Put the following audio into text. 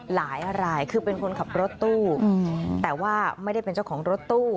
หลายรายคือเป็นคนขับรถตู้แต่ว่าไม่ได้เป็นเจ้าของรถตู้